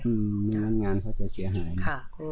อืมงานเขาจะเสียหาย